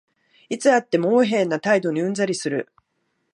いつ会っても横柄な態度にうんざりする